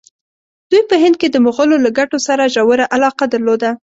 دوی په هند کې د مغولو له ګټو سره ژوره علاقه درلوده.